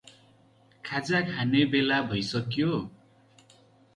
खाजा खाने बेला भैसक्यो.